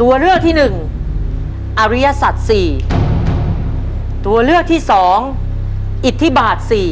ตัวเลือกที่หนึ่งอริยสัตว์สี่ตัวเลือกที่สองอิทธิบาทสี่